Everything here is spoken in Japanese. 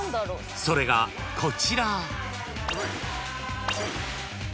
［それがこちら］